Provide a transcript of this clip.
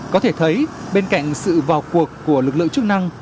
có thể thấy bên cạnh sự vào cuộc của lực lượng chức năng